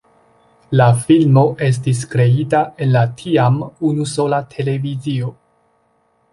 La filmo estis kreita en la tiam unusola televizio.